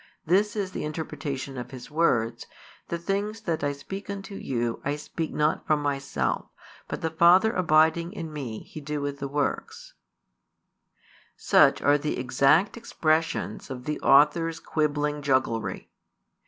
This is the interpretation of His words: The things that I speak unto you, I speak not from Myself; but the Father abiding in Me, He doeth the works" Such are the exact expressions of the author's quibbling jugglery.